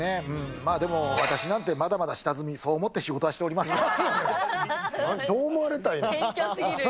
まあでも、私なんて、まだまだ下積み、そう思って仕事はしておりどう思われたいの？